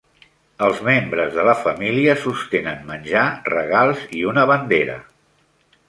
Els membres de la família sostenen menjar, regals i una bandera.